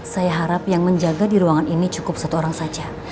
saya harap yang menjaga di ruangan ini cukup satu orang saja